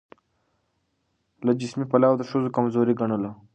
له جسمي پلوه د ښځو د کمزوري ګڼلو